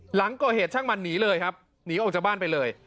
หลังก่อเหตุช่างมันหนีเลยครับหนีออกจากบ้านไปเลย